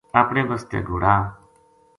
اپنے بسطے گھوڑا